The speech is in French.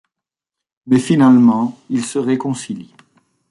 Mais finalement, ils se réconcilient.